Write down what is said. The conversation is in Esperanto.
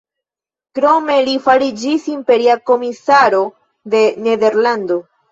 Krome li fariĝis imperia komisaro de Nederlando.